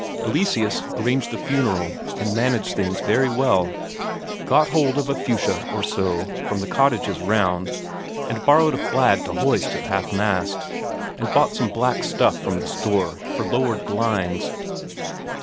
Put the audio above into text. Eleseus arranged the funeral, and managed things very well; got hold of a fuchsia or so from the cottages round, and borrowed a flag to hoist at half mast, and bought some black stuff from the store for lowered blinds.